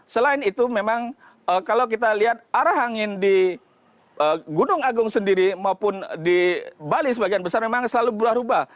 selain itu memang kalau kita lihat arah angin di gunung agung sendiri maupun di bali sebagian besar memang selalu berubah ubah